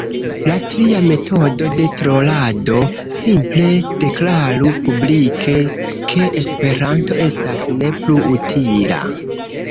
La tria metodo de trolado, simple deklaru publike ke esperanto estas ne plu utila.